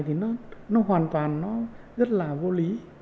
thì nó hoàn toàn rất là vô lý